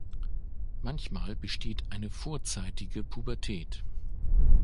Manchmal besteht eine vorzeitige Pubertät.